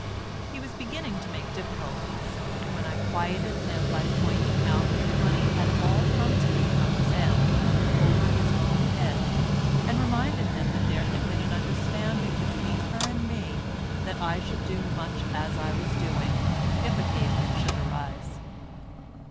He was beginning to make difficulties, when I quieted him by pointing out that the money had all come to me from his aunt, over his own head, and reminded him there had been an understanding between her and me that I should do much as I was doing, if occasion should arise.